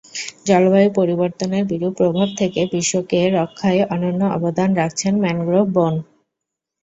জলবায়ু পরিবর্তনের বিরূপ প্রভাব থেকে বিশ্বকে রক্ষায় অনন্য অবদান রাখছে ম্যানগ্রোভ বন।